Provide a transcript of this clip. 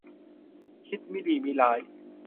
คิดมิดีมิร้าย